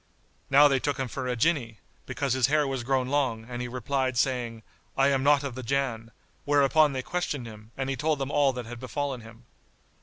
Now they took him for a Jinni, because his hair was grown long; and he replied, saying, "I am not of the Jann," whereupon they questioned him, and he told them all that had befallen him.